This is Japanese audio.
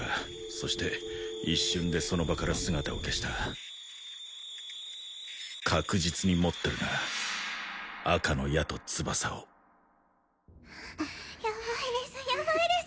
そして一瞬でその場から姿を消した確実に持ってるな赤の矢と翼をヤバいです